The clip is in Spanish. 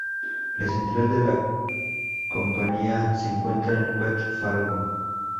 La central de la compañía se encuentra en West Fargo.